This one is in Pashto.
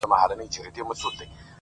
زحمت د هیلو کښت خړوبوي!